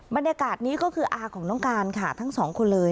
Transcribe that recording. บรรยากาศนี้ก็คืออาของน้องการค่ะทั้งสองคนเลย